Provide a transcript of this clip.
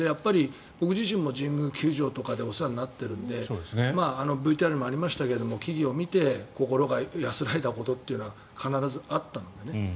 僕自身も神宮球場とかでお世話になっているのでＶＴＲにもありましたけど木々を見て心が安らいだことは必ずあったので。